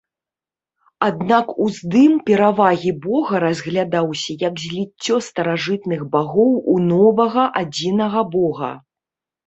Аднак уздым перавагі бога разглядаўся як зліццё старажытных багоў у новага адзінага бога.